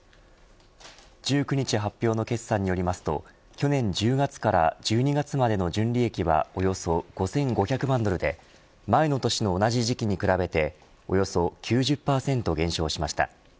１９日発表の決算によりますと去年１０月から１２月までの純利益はおよそ５５００万ドルで前の年の同じ時期に比べておよそ９０％減少しました。